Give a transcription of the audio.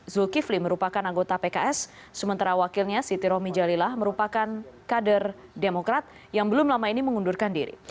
zulkifli merupakan anggota pks sementara wakilnya siti romi jalillah merupakan kader demokrat yang belum lama ini mengundurkan diri